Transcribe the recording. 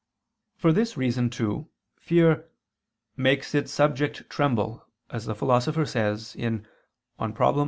For this reason, too, fear "makes its subject tremble," as the Philosopher says (De Problem.